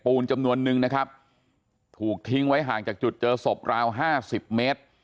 จำนวนนึงนะครับถูกทิ้งไว้ห่างจากจุดเจอศพราวห้าสิบเมตร